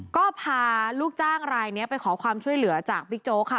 ก็พาลูกจ้างรายนี้ไปขอความช่วยเหลือจากบิ๊กโจ๊กค่ะ